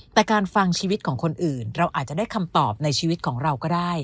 แต่การฟังชีวิตของคนอื่นเราอาจจะได้คำตอบในชีวิตของเราก็ได้